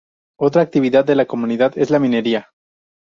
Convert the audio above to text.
Otra actividad de la comunidad es la minería.